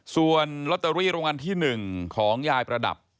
ส่วนลอตเตอรี่รางวัลที่๑ของยายประดับ